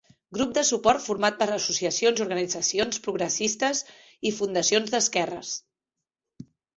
Grup de suport format per associacions i organitzacions progressistes i fundacions d'esquerres.